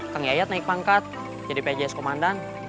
kang yayat naik pangkat jadi pjs komandan